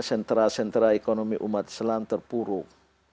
sentra sentra ekonomi umat islam terpuruk